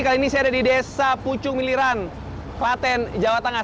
kali ini saya ada di desa pucung miliran klaten jawa tengah